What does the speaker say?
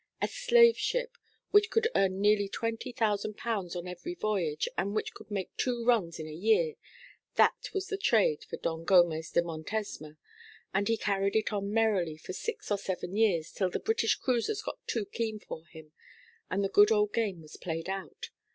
A slave ship, which could earn nearly twenty thousand pounds on every voyage, and which could make two runs in a year that was the trade for Don Gomez de Montesma, and he carried it on merrily for six or seven years, till the British cruisers got too keen for him, and the good old game was played out.